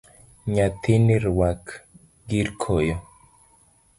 Nyathini ruak girkoyo.